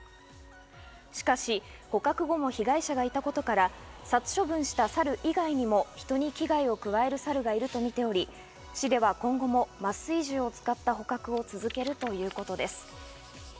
しかし、捕獲後も被害者がいたことから、殺処分したサル以外にも人に危害を加えるサルがいるとみており、市では今後も麻酔銃を使った捕獲を続けるということです。